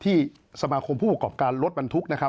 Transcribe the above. ที่สมาคมผู้ประกอบการลดบรรทุก